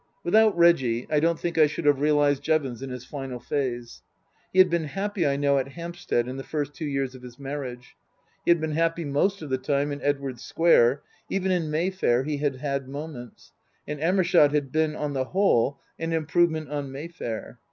Without Reggie I don't think I should have realized Jevons in his final phase. He had been happy, I know, at Hampstead in the first two years of his marriage ; he had been happy most of the time in Edwardes Square ; even in Mayfair he had had moments ; and Amershott had been, on the whole, an improvement on Mayfair.